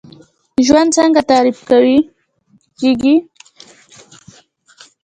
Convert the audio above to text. ژوند څنګه تعریف کوئ؟